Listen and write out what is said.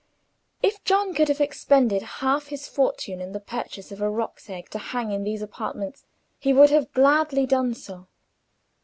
If John could have expended half his fortune in the purchase of a roc's egg to hang in these apartments, he would have gladly done so.